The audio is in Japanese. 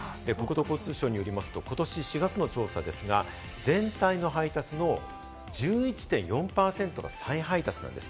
国土交通省によりますと、ことし４月の調査で全体の配達の１１．４％が再配達なんです。